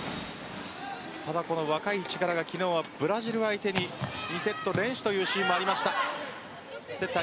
ただ、この若い力が昨日はブラジル相手に２セット連取というシーンもありました。